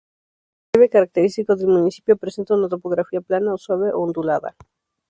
El relieve característico del municipio presenta una topografía plana o suave ondulada.